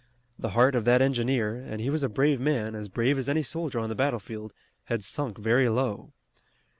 The heart of that engineer, and he was a brave man, as brave as any soldier on the battlefield, had sunk very low.